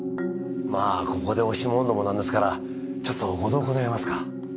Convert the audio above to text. まあここで押し問答もなんですからちょっとご同行願えますか？